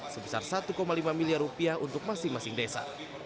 sebesar satu lima miliar rupiah untuk masing masing desa